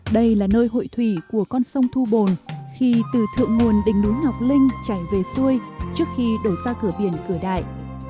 đây là nơi hội thủy của con sông thu bồn khi từ thượng nguồn đỉnh núi ngọc linh chảy về xuôi trước khi đổ ra cửa biển cửa đại